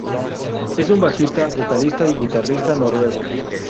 Es un bajista, vocalista y guitarrista noruego.